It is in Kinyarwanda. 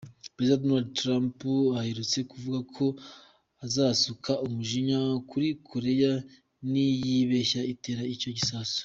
Perezida Donald Trump aherutse kuvuga ko azasuka umujinya kuri Koreya niyibeshya itera icyo gisasu.